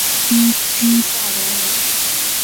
史夏隆人。